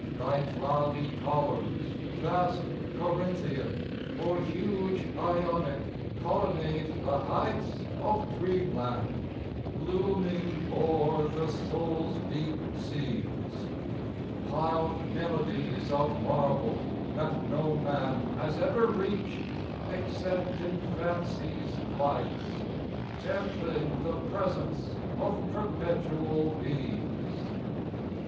Thy cloudy columns, vast, Corinthian, Or huge, Ionic, colonnade the heights Of Dreamland, looming o'er the soul's deep seas; Piled melodies of marble, that no man Has ever reached, except in fancy's flights, Templing the presence of perpetual ease.